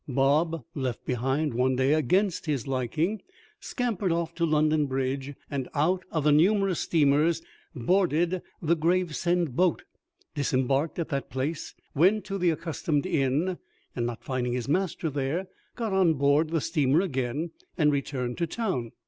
Bob, left behind one day against his liking, scampered off to London Bridge, and out of the numerous steamers boarded the Gravesend boat, disembarked at that place, went to the accustomed inn, and not finding his master there, got on board the steamer again and returned to town.